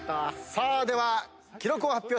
さあでは記録を発表します。